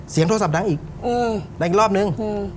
เสียงโทรศัพท์ดังอีกอืมได้อีกรอบนึง